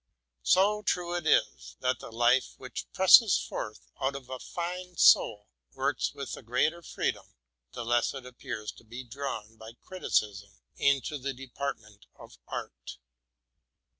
So true it is, that the life which presses forth out of a '' fine soul'? works with the greater freedom the less it appears to be drawn by criticism into the department of art.